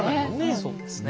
そうですね。ね。